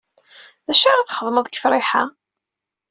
D acu ara txedmeḍ deg Friḥa?